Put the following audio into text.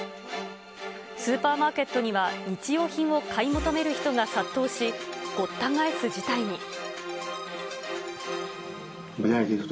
スーパーマーケットには、日用品を買い求める人が殺到し、ごった返す事態に。